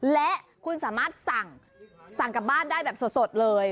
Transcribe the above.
และคุณสามารถสั่งกลับบ้านได้แบบสดเลย